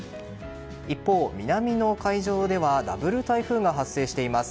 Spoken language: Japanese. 一方、南の海上ではダブル台風が発生しています。